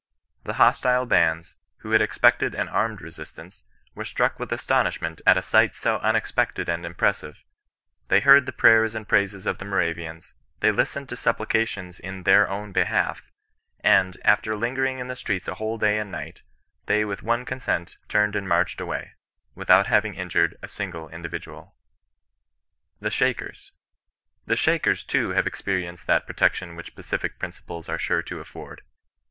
TbidM>stile bands, who had expected an armed resistance, vKe struck with astonishment at a sight so unexpected and impressive; they heard the prayers and praises of the Moravians ; they listened to supplications in their own behalf; and, after lingering in the streets a whole day and night, they with one consent turned and marched away, without having injured a single individual. THE SHAKERS. " The Shakers, too, have experienced that protection which pacific principles are sure to afford.